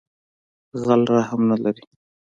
غل رحم نه لری